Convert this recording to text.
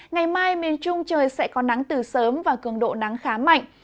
ngày mai miền trung trời sẽ có nắng từ sớm và cường độ nắng khá mạnh